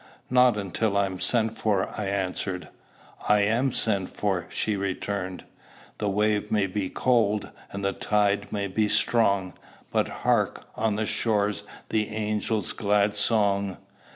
"Not until I am sent for," I answered. "I am sent for," she returned. "'The wave may be cold, and the tide may be strong; But, hark! on the shore the angels' glad song!'